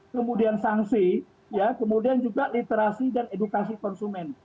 kemudian sanksi kemudian juga literasi dan edukasi konsumen